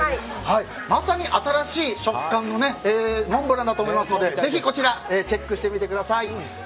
まさに新しい食感のモンブランだと思いますのでぜひ、こちらチェックしてみてください。